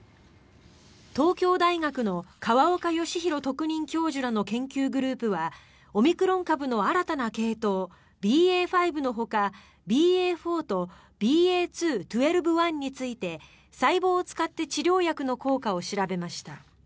東京大学の河岡義裕特任教授らの研究グループはオミクロン株の新たな系統ＢＡ．５のほかＢＡ．４とＢＡ．２．１２．１について細胞を使って治療薬の効果を調べました。